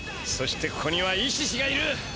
そしてここにはイシシがいる。